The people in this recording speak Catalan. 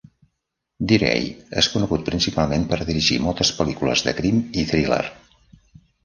Deray és conegut principalment per dirigir moltes pel·lícules de crim i thriller.